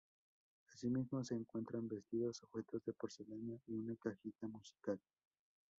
Asimismo, se encuentran vestidos, objetos de porcelana y una cajita musical.